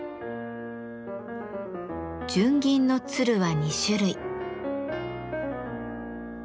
純銀の鶴は２種類。